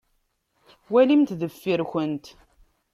Walimt deffir-nkent.